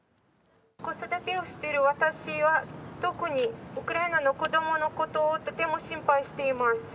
子育てをしている私は、特にウクライナの子どものことをとても心配しています。